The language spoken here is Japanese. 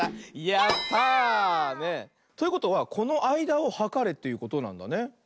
やった！ということはこのあいだをはかれということなんだね。